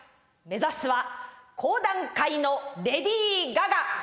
目指すは講談界のレディー・ガガ。